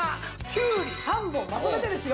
きゅうり３本まとめてですよ